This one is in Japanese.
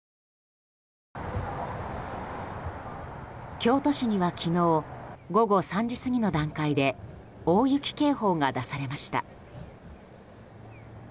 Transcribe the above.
京都市には昨日午後３時過ぎの段階で大雪警報が出されました。